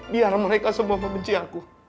biar mereka semua membenci aku